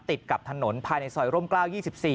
ติดกับถนนภายในซอยร่มกล้าว๒๔